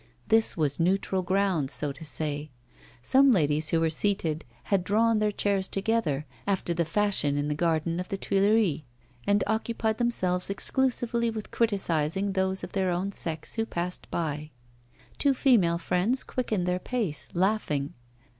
This was neutral ground, so to say; some ladies who were seated had drawn their chairs together, after the fashion in the garden of the Tuileries, and occupied themselves exclusively with criticising those of their own sex who passed by. Two female friends quickened their pace, laughing.